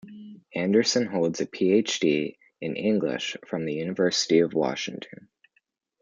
Anderson holds a Ph.D. in English from the University of Washington.